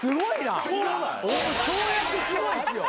跳躍すごいっすよ。